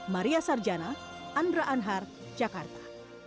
maria sarjana andra anhar jakarta